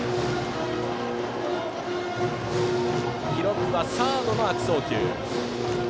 記録はサードの悪送球。